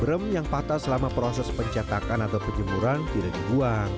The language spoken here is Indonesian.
brem yang patah selama proses pencetakan atau penjemuran tidak dibuang